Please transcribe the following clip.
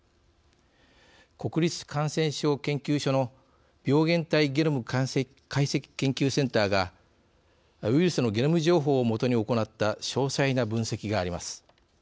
国立感染症研究所の病原体ゲノム解析研究センターがウイルスのゲノム情報を基に行った詳細な分析があります。